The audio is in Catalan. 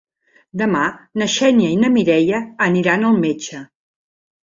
Demà na Xènia i na Mireia aniran al metge.